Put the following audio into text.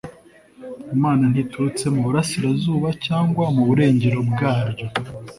imana ntiturutse mu burasirazuba cyangwa mu burengero bwaryo